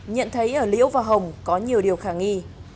nhận thấy ở liễu và hồng có nhiều điều khả nghi